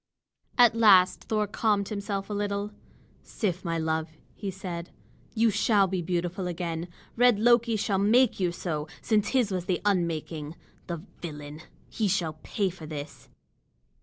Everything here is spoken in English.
At last Thor calmed himself a little. "Sif, my love," he said, "you shall be beautiful again. Red Loki shall make you so, since his was the unmaking. The villain! He shall pay for this!"